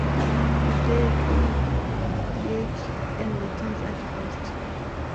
Today, Ondieki and Martin are divorced.